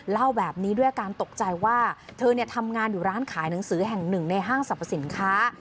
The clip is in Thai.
เล่าแบบนี้ด้วยอาการตกใจว่าเธอทำงานอยู่ร้านขายหนังสือแห่งหนึ่งในห้างสรรพสินค้า